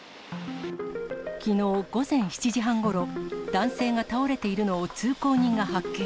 きのう午前７時半ごろ、男性が倒れているのを通行人が発見。